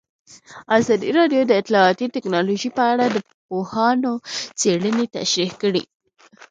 ازادي راډیو د اطلاعاتی تکنالوژي په اړه د پوهانو څېړنې تشریح کړې.